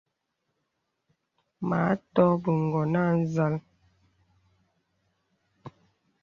Mə à tɔk bə ǹgɔ̀n à nzàl.